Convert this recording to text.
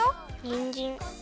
にんじん！